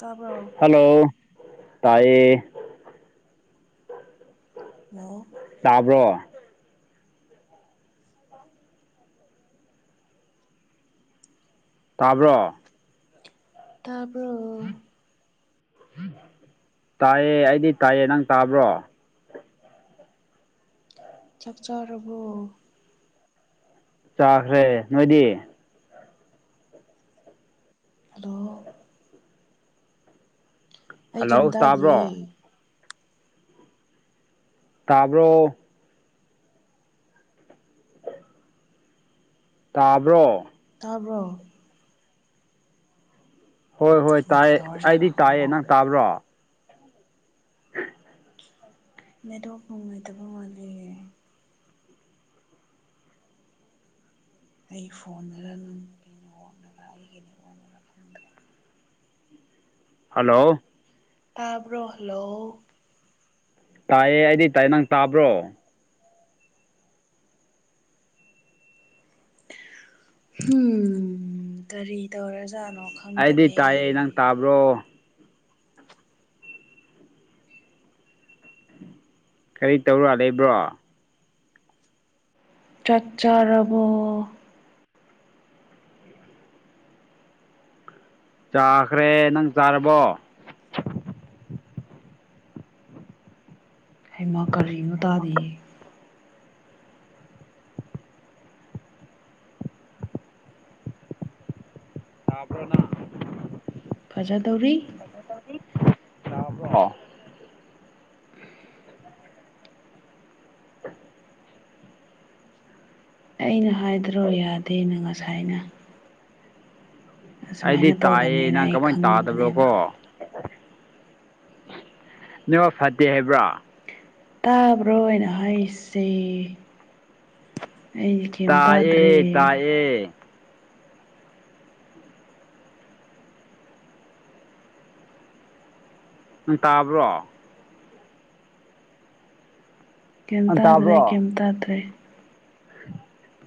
ꯇꯥꯕ꯭ꯔꯣ ꯍꯜꯂꯣ ꯇꯥꯏꯌꯦ ꯑꯣ ꯇꯥꯕ꯭ꯔꯣ ꯇꯥꯕ꯭ꯔꯣ ꯇꯥꯕ꯭ꯔꯣ ꯇꯥꯏꯌꯦ ꯑꯩꯗꯤ ꯇꯥꯏꯌꯦ ꯅꯪ ꯇꯥꯕ꯭ꯔꯣ ꯆꯥꯛ ꯆꯥꯔꯕꯣ ꯆꯥꯈ꯭ꯔꯦ ꯅꯣꯏꯗꯤ ꯍꯂꯣ ꯑꯩ ꯍꯜꯂꯣ ꯀꯩꯝ ꯇꯥꯕ꯭ꯔꯣ ꯇꯥꯗꯤꯌꯦ ꯇꯥꯕ꯭ꯔꯣ ꯇꯥꯕ꯭ꯔꯣ ꯇꯥꯕ꯭ꯔꯣ ꯍꯣꯏ ꯍꯣꯏ ꯃ ꯇꯥꯏꯌꯦ ꯀꯩꯗꯧꯔꯖꯥꯠꯅꯣ ꯑꯩꯗꯤ ꯑꯃꯨꯛ ꯇꯥꯏꯌꯦ ꯅꯪ ꯍꯧꯔꯦ ꯇꯥꯕ꯭ꯔꯣ [inaudible] ꯅꯦꯠꯋꯥꯛ ꯅꯨꯡꯉꯥꯏꯇꯕ ꯃꯥꯂꯦ ꯑꯩ ꯐꯣꯟꯅꯔ ꯅꯪꯒꯤ ꯅꯦꯠꯋꯥꯔꯛꯅꯔ ꯑꯩꯒꯤ ꯅꯦꯠꯋꯥꯔꯛꯅꯔ ꯈꯪꯗ꯭ꯔꯦ ꯍꯜꯂꯣ ꯇꯥꯕ꯭ꯔꯣ ꯍꯜꯂꯣ ꯇꯥꯏꯌꯦ ꯑꯩꯗꯤ ꯇꯥꯏꯌꯦ ꯅꯪ ꯇꯥꯕ꯭ꯔꯣ ꯍꯨꯝ ꯀꯔꯤ ꯇꯧꯔꯖꯥꯠꯅꯣ ꯑꯩꯗꯤ ꯈꯪꯗꯔꯦ ꯇꯥꯏꯌꯦ ꯅꯪ ꯇꯥꯕ꯭ꯔꯣ ꯀꯔꯤ ꯇꯧꯔ ꯂꯩꯕ꯭ꯔꯣ ꯆꯥꯛ ꯆꯥꯔꯕꯣ ꯆꯥꯈ꯭ꯔꯦ ꯅꯪ ꯆꯥꯔꯕꯣ ꯍꯩꯃ ꯀꯔꯤꯅꯣ ꯇꯥꯗꯤꯌꯦ ꯇꯥꯕ꯭ꯔꯣ ꯅꯥ ꯐꯖꯗꯧꯔꯤ ꯇꯥꯕ꯭ꯔꯣ ꯑꯩꯅ ꯍꯥꯏꯗ꯭ꯔꯣ ꯌꯥꯗꯦꯅ ꯉꯁꯥꯏꯅ ꯑꯩꯗꯤ ꯑꯁꯨꯃꯥꯏꯅ ꯇꯥꯏꯌꯦ ꯇꯧꯒꯅꯤꯅ ꯅꯪ ꯑꯩ ꯀꯃꯥꯏꯅ ꯇꯥꯗꯕ꯭ꯔꯣ ꯈꯪꯉꯕꯅꯦꯕ ꯀꯣ ꯅꯦꯠꯋꯥꯛ ꯐꯠꯇꯦ ꯍꯥꯏꯕ꯭ꯔꯥ ꯇꯥꯕ꯭ꯔꯣ ꯑꯩꯅ ꯍꯥꯏꯁꯦ ꯑꯩ ꯀꯩꯝ ꯇꯥꯗ꯭ꯔꯦ ꯑꯦ ꯅꯪ ꯇꯥꯕ꯭ꯔꯣ ꯀꯩꯝ ꯑ ꯇꯥꯗ꯭ꯔꯦ ꯇꯥꯕ꯭ꯔꯣ ꯀꯩꯝ ꯇꯥꯗ꯭ꯔꯦ [inaudible]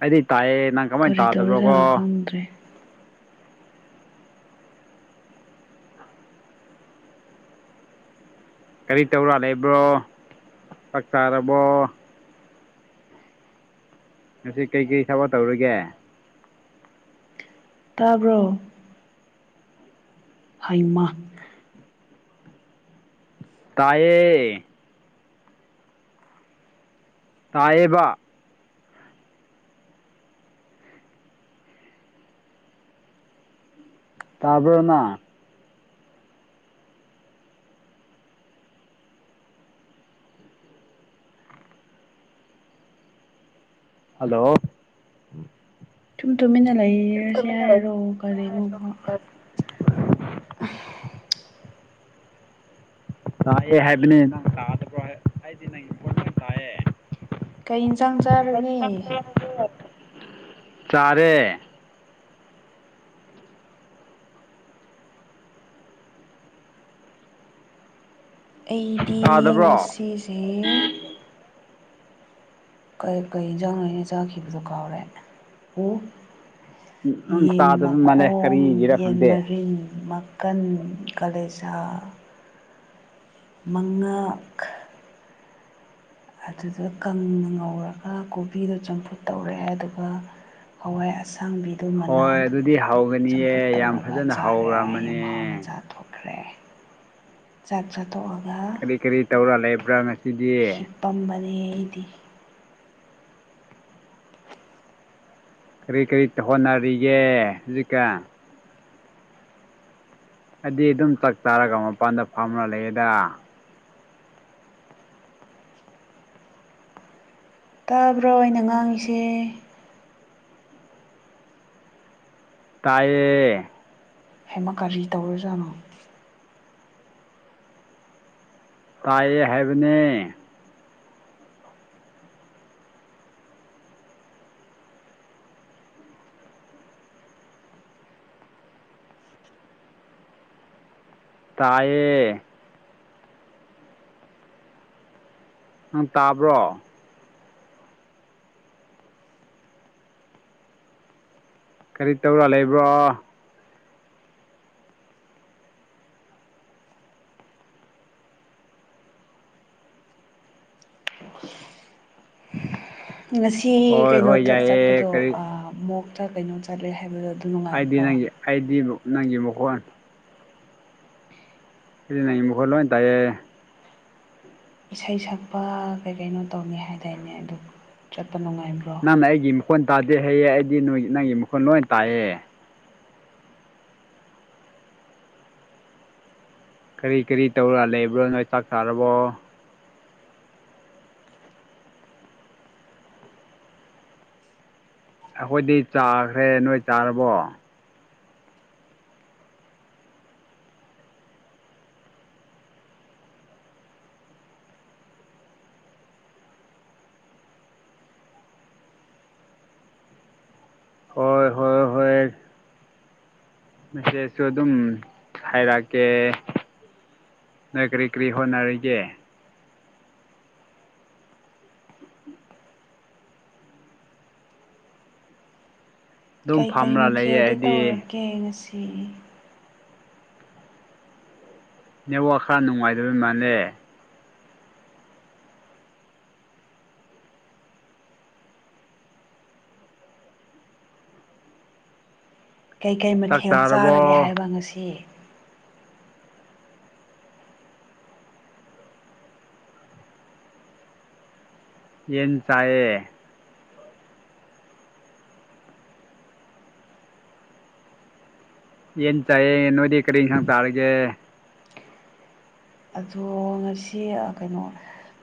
ꯑꯩꯗꯤ ꯇꯥꯏꯌꯦ ꯅꯪ ꯀꯃꯥꯏꯅ ꯀꯔꯤ ꯇꯥꯗꯕ꯭ꯔꯣ ꯀꯣ ꯇꯧꯔꯤꯖꯥꯠꯅꯣ ꯈꯪꯗ꯭ꯔꯦ ꯀꯔꯤ ꯇꯧꯔꯥ ꯂꯩꯕ꯭ꯔꯣ ꯆꯥꯛ ꯆꯥꯔꯕꯣ ꯉꯁꯤ ꯀꯩꯀꯩ ꯊꯕꯛ ꯇꯧꯔꯤꯒꯦ ꯇꯥꯕ꯭ꯔꯣ ꯍꯩꯃ ꯇꯥꯏꯌꯦ ꯇꯥꯏꯌꯦꯕ ꯇꯥꯕ꯭ꯔ ꯅꯪ ꯍꯜꯂꯣ ꯇꯨꯝ ꯇꯨꯃꯤꯟꯅ ꯂꯩꯔꯁꯦ ꯍꯥꯏꯔꯣ ꯀꯔꯤꯅꯣꯕ ꯇꯥꯌꯦ ꯍꯥꯏꯕꯅꯤ ꯅꯪ ꯇꯥꯗꯕ꯭ꯔꯣ ꯑꯩꯗꯤ ꯅꯪꯒꯤ ꯈꯣꯟꯖꯦꯜ ꯇꯥꯌꯦ ꯀꯩ ꯏꯟꯁꯥꯡ ꯆꯥꯔꯒꯦ ꯆꯥꯔꯦ ꯑꯩꯗꯤ ꯇꯥꯗꯕ꯭ꯔꯣ ꯉꯁꯤꯁꯦ ꯀꯩ ꯀꯩ ꯏꯟꯖꯥꯡꯔ ꯑꯩꯅ ꯆꯥꯈꯤꯕꯗꯣ ꯀꯥꯎꯔꯦ ꯑꯣ ꯅꯪ ꯌꯦꯟ ꯇꯥꯗꯕ ꯃꯥꯜꯂꯦ ꯃꯈꯣꯡ ꯀꯔꯤꯒꯤꯔ ꯌꯦꯟ ꯈꯪꯗꯦ ꯃꯔꯤꯟ ꯃꯛ ꯀꯟ ꯀꯂꯦꯖꯥ ꯃꯉꯛ ꯑꯗꯨꯗꯣ ꯀꯪꯅ ꯉꯧꯔꯒ ꯀꯣꯕꯤꯗꯣ ꯆꯝꯐꯨꯠ ꯇꯧꯔꯦ ꯑꯗꯨꯒ ꯍꯋꯥꯏ ꯑꯁꯥꯡꯕꯤ ꯍꯣꯏ ꯑꯗꯨꯗꯤ ꯃꯅꯥꯗꯨꯒ ꯆꯝꯐꯨꯠ ꯍꯧꯒꯅꯤꯌꯦ ꯌꯥꯝ ꯇꯧꯔꯒ ꯐꯖꯅ ꯆꯥꯔꯦ ꯌꯥꯝ ꯍꯧꯔꯝꯃꯅꯦ ꯍꯥꯎꯅ ꯆꯥꯊꯣꯛꯈ꯭ꯔꯦ ꯆꯥꯛ ꯆꯥꯊꯣꯛꯑꯣ ꯀꯔꯤ ꯀꯔꯤ ꯇꯧꯔ ꯂꯩꯕ꯭ꯔꯥ ꯉꯁꯤꯗꯤ ꯇꯨꯝꯕꯅꯦ ꯑꯩꯗꯤ ꯀꯔꯤ ꯀꯔꯤ ꯇꯧ ꯍꯣꯠꯅꯔꯤꯒꯦ ꯍꯧꯖꯤꯛꯀꯥꯟ ꯑꯩꯗꯤ ꯑꯗꯨꯝ ꯆꯥꯛ ꯆꯥꯔꯒ ꯃꯄꯥꯟꯗ ꯐꯝꯔꯥ ꯂꯩꯌꯦꯗ ꯇꯥꯕ꯭ꯔꯣ ꯑꯩꯅ ꯉꯥꯡꯉꯤꯁꯦ ꯇꯥꯌꯦ ꯍꯩꯃꯥ ꯀꯔꯤ ꯇꯧꯔꯖꯥꯠꯅꯣ ꯇꯥꯏꯌꯦ ꯍꯥꯏꯕꯅꯦ ꯇꯥꯏꯌꯦ ꯅꯪ ꯇꯥꯕ꯭ꯔꯣ ꯀꯔꯤ ꯇꯧꯔ ꯂꯩꯕ꯭ꯔꯣ ꯉꯁꯤ ꯍꯣꯏ ꯍꯣꯏ ꯀꯩꯅꯣꯗ ꯌꯥꯏꯌꯦ ꯆꯠꯄꯗꯣ ꯀꯔꯤ ꯑꯥ ꯃꯣꯛꯇ ꯀꯩꯅꯣ ꯆꯠꯂꯦ ꯍꯥꯏꯕꯗꯣ ꯑꯥꯏꯗꯤ ꯅꯨꯡꯉꯥꯏꯕ꯭ꯔꯣ ꯅꯪꯒꯤ ꯑꯥꯏꯗꯤ ꯅꯪꯒꯤ ꯃꯈꯣꯟ ꯑꯩꯗꯤ ꯅꯪꯒꯤ ꯃꯈꯣꯜ ꯂꯣꯏ ꯇꯥꯏꯌꯦ ꯏꯁꯩ ꯁꯛꯄ ꯀꯩ ꯀꯩꯅꯣ ꯇꯧꯅꯤ ꯍꯥꯏꯗꯥꯏꯅꯦ ꯑꯗꯨ ꯆꯠꯄ ꯅꯨꯡꯉꯥꯏ ꯅꯪꯅ ꯑꯩꯒꯤ ꯃꯈꯣꯟ ꯇꯥꯗꯦ ꯍꯩꯌꯦ ꯑꯩꯗꯤ ꯅꯣꯏ ꯅꯪꯒꯤ ꯃꯈꯣꯟ ꯂꯣꯏ ꯇꯥꯏꯌꯦ ꯀꯔꯤ ꯀꯔꯤ ꯇꯧꯔꯒ ꯂꯩꯕ꯭ꯔꯣ ꯅꯣꯏ ꯆꯥꯛ ꯆꯥꯔꯕꯣ ꯑꯩꯈꯣꯏꯗꯤ ꯆꯥꯈ꯭ꯔꯦ ꯅꯣꯏ ꯆꯥꯔꯕꯣ ꯍꯣꯏ ꯍꯣꯏ ꯍꯣꯏ ꯍꯣꯏ ꯃꯦꯁꯦꯁꯁꯨ ꯑꯗꯨꯝ ꯍꯥꯏꯔꯛꯀꯦ ꯅꯣꯏ ꯀ꯭ꯔꯤ ꯀ꯭ꯔꯤ ꯍꯣꯠꯅꯔꯤꯒꯦ ꯑꯗꯨꯝ ꯀꯩꯀꯩ ꯐꯝꯔ ꯂꯩꯌꯦ ꯃꯊꯦꯜꯗꯤ ꯑꯩꯗꯤ ꯇꯧꯔꯒꯦ ꯉꯁꯤ ꯅꯦꯠꯋꯥꯛ ꯈꯔ ꯅꯨꯡꯉꯥꯏꯗꯕꯩ ꯃꯥꯜꯂꯦ ꯀꯩ ꯀꯩ ꯆꯥꯛ ꯃꯊꯦꯜ ꯆꯥꯔꯒꯦ ꯆꯥꯔꯕꯣ ꯍꯥꯏꯕ ꯉꯁꯤ ꯌꯦꯟ ꯆꯥꯏꯌꯦ ꯌꯦꯟ ꯆꯥꯏꯌꯦ ꯅꯣꯏꯗꯤ ꯀꯔꯤ ꯏꯟꯁꯥꯡ ꯆꯥꯔꯒꯦ ꯑꯗꯣ ꯉꯁꯤ ꯑꯥ ꯀꯩꯅꯣ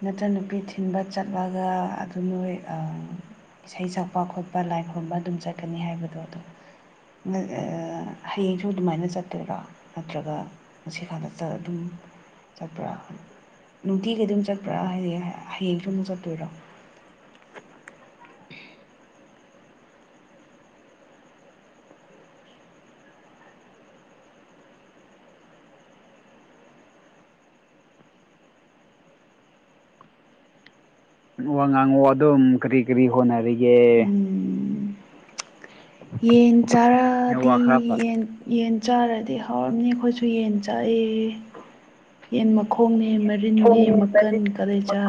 ꯅꯆꯟꯅꯨꯄꯤ ꯊꯤꯟꯕ ꯆꯠꯂꯒ ꯑꯗꯨ ꯅꯣꯏ ꯑꯥ ꯏꯁꯩ ꯁꯛꯄ ꯈꯣꯠꯄ ꯂꯥꯏꯈꯨꯔꯨꯝꯕ ꯑꯗꯨꯝ ꯆꯠꯀꯅꯤ ꯍꯥꯏꯕꯗꯣ ꯑꯗꯣ ꯅꯪ ꯑꯥ ꯍꯌꯦꯡꯁꯨ ꯑꯗꯨꯃꯥꯏꯅ ꯆꯠꯇꯣꯏꯔꯣ ꯅꯠꯇ꯭ꯔꯒ ꯉꯁꯤꯈꯛꯇ ꯆꯥꯔꯦ ꯑꯗꯨꯝ ꯆꯠꯄ꯭ꯔꯥ ꯅꯨꯡꯇꯤꯒꯤ ꯑꯗꯨꯝ ꯆꯠꯄ꯭ꯔꯥ ꯍꯌꯦꯡ ꯍꯌꯦꯡꯁꯨ ꯑꯃꯨꯛ ꯆꯠꯇꯣꯏꯔꯣ ꯋꯥ ꯉꯥꯡꯉꯛꯑꯣ ꯑꯗꯨꯝ ꯀꯔꯤ ꯀꯔꯤ ꯍꯣꯠꯅꯔꯤꯒꯦ ꯎꯝ ꯌꯦꯟ ꯆꯥꯔꯥꯗꯤ ꯅꯦꯠꯋꯥꯛ ꯈꯔ ꯐ ꯌꯦꯟ ꯌꯦꯟ ꯆꯥꯔꯗꯤ ꯍꯥꯎꯔꯝꯅꯤ ꯑꯩꯈꯣꯏꯁꯨ ꯌꯦꯟ ꯆꯥꯌꯦ꯫ ꯌꯦꯟ ꯃꯈꯣꯡꯅꯦ ꯃꯔꯤꯟꯅꯦ ꯃꯀꯟ ꯀꯥꯂꯦꯆꯥ꯫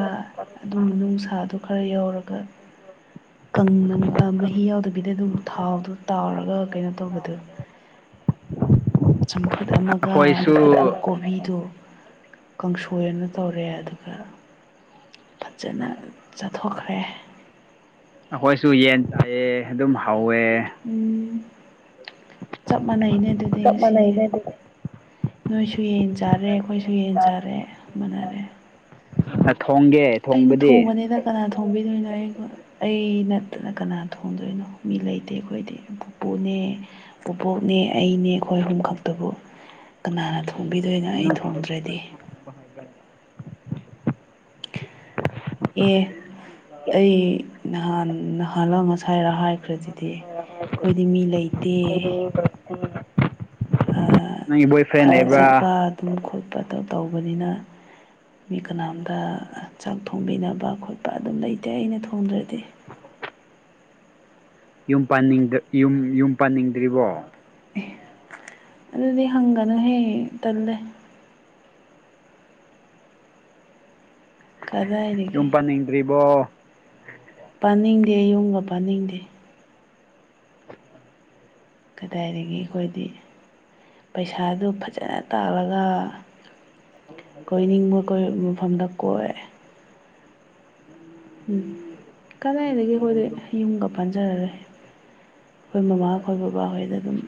ꯑꯗꯨ ꯃꯅꯨꯡꯁꯥꯗꯣ ꯈꯔ ꯌꯥꯎꯔꯒ [inaudible] ꯀꯪꯅ ꯑꯥ ꯃꯍꯤ ꯌꯥꯎꯗꯕꯤꯗ ꯑꯗꯨꯝ ꯊꯥꯎꯗꯣ ꯇꯥꯎꯔꯒ ꯀꯩꯅꯣ ꯇꯧꯕꯗꯨ ꯆꯝꯐꯨꯠ ꯑꯃꯥꯒ ꯑꯩꯈꯣꯏꯁꯨ ꯑꯗꯨꯒ ꯀꯣꯕꯤꯗꯣ ꯀꯥꯡꯁꯣꯏ ꯑꯃ ꯇꯧꯔꯦ ꯑꯗꯨꯒ ꯐꯖꯅ ꯆꯥꯊꯣꯛꯈ꯭ꯔꯦ꯫ ꯑꯩꯈꯣꯏꯁꯨ ꯌꯦꯟ ꯆꯥꯏꯌꯦ ꯑꯗꯨꯝ ꯍꯥꯎꯋꯦ꯫ ꯎꯝ ꯆꯞ ꯃꯥꯟꯅꯩꯅ ꯑꯗꯨꯗꯤ ꯉꯁꯤꯖꯦ꯫ ꯅꯣꯏꯁꯨ ꯌꯦꯟ ꯆꯥꯔꯦ ꯑꯩꯈꯣꯏꯁꯨ ꯌꯦꯟ ꯆꯥꯔꯦ ꯃꯅꯥꯔꯦ꯫ ꯅ ꯊꯣꯡꯒꯦ? [unintelligible] ꯑꯩꯅ ꯊꯣꯡꯕꯅꯤꯗ ꯀꯅꯥ ꯊꯣꯡꯕꯤꯗꯣꯏꯅꯣ ꯑꯩ ꯑꯩ ꯅꯠꯇꯅ ꯀꯅꯥ ꯊꯣꯡꯗꯣꯏꯅꯣ? ꯃꯤ ꯂꯩꯇꯦ ꯑꯩꯈꯣꯏꯗꯤ ꯄꯨꯄꯨꯅꯦ ꯄꯣꯕꯣꯛꯅꯦ ꯑꯩꯅꯦ ꯑꯩꯈꯣꯏ ꯑꯍꯨꯝ ꯈꯛꯇꯕꯨ꯫ ꯀꯅꯥꯅ ꯊꯣꯡꯕꯤꯗꯣꯏꯅꯣ ꯑꯩ ꯊꯣꯡꯗ꯭ꯔꯗꯤ? [inaudible] ꯑꯦ ꯑꯩ ꯅꯍꯥꯟ ꯅꯍꯥꯟꯂꯥ ꯉꯁꯥꯏꯔ ꯍꯥꯏꯈ꯭ꯔꯗꯨꯗꯤ꯫ ꯑꯩꯈꯣꯏꯗꯤ ꯃꯤ ꯂꯩ [inaudible] ꯑꯥ ꯅꯪꯒꯤ ꯕꯣꯏ ꯐ꯭ꯔꯦꯟ ꯊꯕꯛ ꯆꯠꯄ ꯂꯩꯕ꯭ꯔꯥ ꯑꯗꯨꯝ ꯈꯣꯠꯄꯗꯣ ꯇꯧꯕꯅꯤꯅ ꯃꯤ ꯀꯅꯥꯝꯗ ꯆꯥꯛ ꯊꯣꯡꯕꯤꯅꯕ ꯈꯣꯠꯄ ꯑꯗꯨꯝ ꯂꯩꯇꯦ ꯑꯩꯅ ꯊꯣꯡꯗ꯭ꯔꯗꯤ꯫ [inaudible] ꯌꯨꯝ ꯄꯥꯟꯅꯤꯡꯗ ꯌꯨꯝ ꯌꯨꯝ ꯄꯥꯟꯅꯤꯡꯗ꯭ꯔꯤꯕꯣ? ꯑꯦ ꯑꯗꯨꯗꯤ ꯍꯪꯒꯅꯨꯍꯦ ꯇꯜꯂꯦ꯫ ꯌꯨꯝ ꯀꯗꯥꯏꯗꯒꯤ ꯄꯥꯟꯅꯤꯡꯗ꯭ꯔꯤꯕꯣ? ꯄꯥꯅꯤꯡꯗꯦ ꯌꯨꯝꯒ ꯄꯥꯅꯤꯡꯗꯦ꯫ ꯀꯗꯥꯏꯗꯒꯤ ꯑꯩꯈꯣꯏꯗꯤ ꯄꯩꯁꯥꯗꯨ ꯐꯖꯥꯅ ꯇꯥꯜꯂꯒ ꯀꯣꯏꯅꯤꯡꯕ ꯀꯣꯏ ꯃꯐꯝꯗ ꯀꯣꯏ꯫ ꯎꯝ ꯀꯗꯥꯏꯗꯒꯤ ꯑꯩꯈꯣꯏꯗꯤ ꯌꯨꯝꯒ ꯄꯥꯟꯖꯔꯔꯣꯏ꯫ ꯑꯩꯈꯣꯏ ꯃꯃꯥꯈꯣꯏ ꯕꯕꯥꯍꯣꯏꯗ ꯑꯗꯨꯝ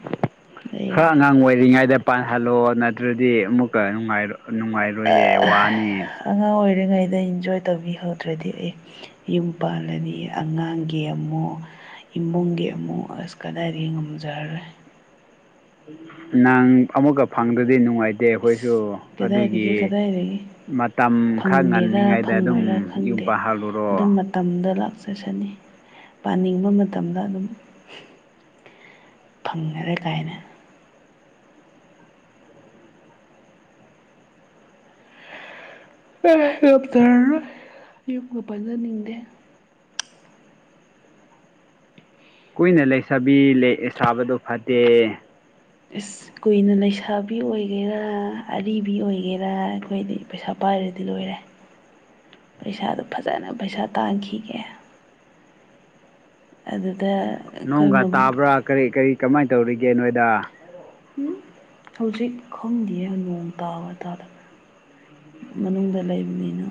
ꯈꯔ ꯂꯩꯔꯒꯦ꯫ ꯑꯉꯥꯡ ꯑꯣꯏꯔꯤꯉꯩꯗ ꯄꯥꯟꯍꯜꯂꯣ ꯅꯠꯇ꯭ꯔꯗꯤ ꯑꯃꯨꯛꯀ ꯅꯨꯉꯥꯢꯔꯣ ꯅꯨꯡꯉꯥꯏꯔꯣꯏꯌꯦ ꯋꯥꯅꯤ꯫ ꯑꯉꯥꯡ ꯑꯣꯏꯔꯤꯉꯩꯗ ꯏꯟꯖꯣꯏ ꯇꯧꯕꯤꯍꯧꯗ꯭ꯔꯗꯤ ꯑꯩ ꯌꯨꯝ ꯄꯥꯜꯂꯅꯤ ꯑꯉꯥꯡꯒꯤ ꯑꯃꯨꯛ ꯏꯃꯨꯡꯒꯤ ꯑꯃꯨꯛ ꯑꯁ ꯀꯗꯥꯏꯗꯒꯤ ꯉꯝꯖꯔꯔꯣꯏ ꯅꯪ ꯑꯃꯨꯛꯀ ꯐꯪꯗꯗꯤ ꯅꯨꯡꯉꯥꯏꯇꯦ ꯑꯈꯣꯏꯁꯨ ꯑꯗꯨꯒꯤ ꯀꯗꯥꯏꯗꯒꯤ ꯀꯗꯥꯏꯗꯒꯤ ꯃꯇꯝ ꯈꯥ ꯐꯪꯒꯦꯔꯥ ꯉꯜꯂꯤꯉꯩꯗ ꯑꯗꯨꯝ ꯌꯨꯝ ꯄꯥꯜꯍꯜꯂꯨꯔꯣ ꯃꯥꯇꯝꯗ ꯂꯥꯛꯆꯁꯅꯤ ꯄꯥꯅꯤꯡꯕ ꯃꯇꯝꯗ ꯑꯗꯨꯝ ꯐꯪꯉꯔꯣꯢ ꯀꯥꯏꯅ ꯑꯦ ꯉꯝꯖꯔꯔꯣꯢ ꯌꯨꯝꯒ ꯄꯥꯟꯖ ꯅꯤꯡꯗꯦ꯫ ꯀꯨꯏꯅ ꯂꯩꯁꯕꯤ ꯂꯩ ꯁꯥꯕꯗꯣ ꯐꯠꯇꯦ꯫ ꯏꯁ! ꯀꯨꯏꯅ ꯂꯩꯁꯥꯕꯤ ꯑꯣꯏꯒꯦꯔꯥ ꯑꯔꯤꯕꯤ ꯑꯣꯏꯒꯦꯔꯥ ꯑꯈꯣꯏꯗꯤ ꯄꯩꯁꯥ ꯄꯥꯏꯔꯗꯤ ꯂꯣꯏꯔꯦ꯫ ꯄꯩꯁꯥꯗꯨ ꯐꯖꯅ ꯄꯩꯁꯥ ꯇꯥꯟꯈꯤꯒꯦ꯫ ꯑꯗꯨꯗ ꯑꯈꯣꯢ ꯃꯝ ꯀꯔꯤ-ꯀꯔꯤ ꯀꯃꯥꯏꯅ ꯇꯧꯔꯤꯒꯦ ꯅꯣꯏꯗ꯫ ꯎꯝ ꯍꯧꯖꯤꯛ ꯈꯪꯗꯤꯌꯦ ꯅꯣꯡ ꯇꯥꯕ ꯇꯥꯗꯕ ꯃꯅꯨꯡꯗ ꯂꯩꯕꯅꯤꯅ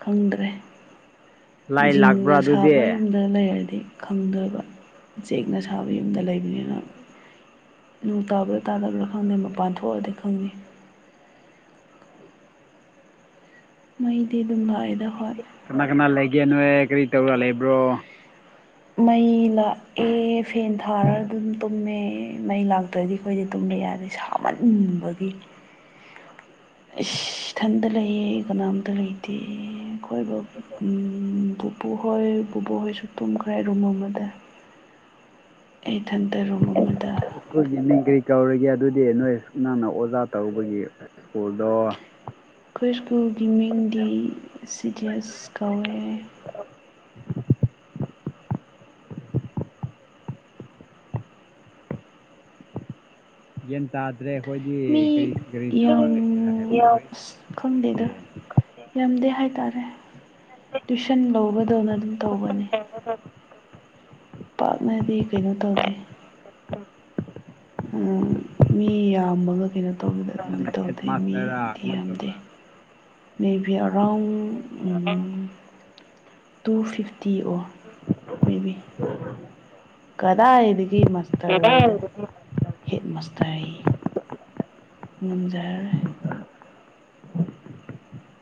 ꯈꯪꯗ꯭ꯔꯦ ꯂꯥꯏ ꯖꯤꯡꯒ ꯂꯥꯛꯄ꯭ꯔꯥ ꯑꯗꯨꯗꯤ ꯁꯥꯕ ꯌꯨꯝꯗ ꯂꯩꯔꯗꯤ ꯈꯪꯗꯣꯢꯕ ꯆꯦꯛꯅ ꯁꯥꯕ ꯌꯨꯝꯗ ꯂꯩꯕꯅꯤꯅ ꯅꯣꯡ ꯇꯥꯕ꯭ꯔꯥ ꯇꯥꯗꯕ꯭ꯔꯥ ꯈꯪꯗꯦ ꯃꯄꯥꯟ ꯊꯣꯛꯑꯗꯤ ꯈꯪꯅꯤ ꯃꯩꯗꯤ ꯑꯗꯨꯝ ꯂꯥꯛꯏꯗ ꯍꯣꯏ ꯀꯅꯥ ꯀꯅꯥ ꯂꯩꯒꯦ ꯅꯣꯢ ꯀꯔꯤ ꯇꯧꯔ ꯂꯩꯕ꯭ꯔꯣ ꯃꯩ ꯂꯥꯛꯑꯦ ꯐꯦꯟ ꯊꯥꯔ ꯑꯗꯨꯝ ꯇꯨꯝꯃꯦ ꯃꯩ ꯂꯥꯛ ꯇ꯭ꯔꯗꯤ ꯑꯩꯈꯣꯏꯗꯤ ꯇꯨꯝꯕ ꯌꯥꯗꯦ ꯁꯥꯃꯟꯕꯒꯤ ꯏꯁ ꯏꯊꯟꯗ ꯂꯩꯌꯦ ꯀꯅꯥꯝꯇ ꯂꯩꯇꯦ ꯀꯣꯏꯕ ꯎꯝ ꯄꯨ ꯄꯨꯍꯣꯏ ꯕꯨꯕꯣꯛꯍꯣꯏꯁꯨ ꯇꯨꯝꯈ꯭ꯔꯦ ꯔꯨꯝ ꯑꯃꯗ ꯑꯩ ꯏꯊꯟꯇ ꯔꯨꯝ ꯑꯃꯗ ꯁ꯭ꯀꯨꯜꯒꯤ ꯃꯤꯡ ꯀꯔꯤ ꯀꯧꯔꯒꯦ ꯑꯗꯨꯗꯤ ꯅꯣꯏ ꯅꯪꯅ ꯑꯣꯖꯥ ꯇꯧꯕꯒꯤ ꯁ꯭ꯀꯨꯜꯗꯣ ꯑꯈꯣꯏ ꯁ꯭ꯀꯨꯜꯒꯤ ꯃꯤꯡꯗꯤ ꯁꯤꯗꯤꯑꯁ ꯀꯧꯋꯦ ꯒ꯭ꯌꯥꯟ ꯇꯥꯗ꯭ꯔꯦ ꯃꯤ ꯑꯩꯈꯣꯏꯗꯤ ꯀꯔꯤ ꯀꯔꯤ ꯌꯥꯝ ꯇꯧꯔ ꯂꯩꯁꯤꯔꯥ ꯍꯥꯏꯕꯗꯣ ꯀꯔꯤꯁꯨ ꯑꯁ ꯇꯧꯅꯤꯡꯉꯥꯏꯁꯨ ꯈꯪꯗꯦꯗ ꯂꯩꯇꯦ ꯌꯥꯝꯗꯦ ꯍꯥꯏꯇꯥꯔꯦ ꯇꯨꯏꯁꯟ ꯂꯧꯕꯗꯧꯅ ꯑꯗꯨꯝ ꯇꯧꯕꯅꯤ ꯃꯐꯝ ꯄꯥꯛꯅꯗꯤ ꯀꯩꯅꯣ ꯇꯧꯗꯦ ꯑꯝ ꯃꯤ ꯌꯥꯝꯕꯒ ꯀꯩꯅꯣ ꯇꯧꯕꯗꯣ ꯑꯗꯨꯝ ꯅꯪꯅ ꯍꯦꯠ ꯇꯧꯗ꯭ꯔꯤ ꯃꯥꯁꯇꯔꯔꯥ ꯃꯤꯗꯤ ꯀꯃꯥꯏꯅ ꯌꯥꯝꯗꯦ ꯇꯧꯕ꯭ꯔꯥ maybe around um two fifty or maybe [inaudible] ꯀꯗꯥꯏꯗꯒꯤ ꯃꯥꯁꯇꯔ ꯑꯣꯏꯕꯅꯣ ꯍꯦꯠ ꯃꯥꯁꯇꯔ ꯍꯥꯌꯦ ꯉꯝꯖꯔꯔꯣꯏ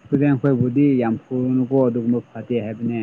ꯏꯁꯇꯨꯗꯦꯟꯠ ꯈꯣꯏꯕꯨꯗꯤ ꯌꯥꯝ ꯐꯨꯔꯨꯅꯨꯀꯣ ꯑꯗꯨꯒꯨꯝꯕ ꯐꯠꯇꯦ ꯍꯥꯏꯕꯅꯦ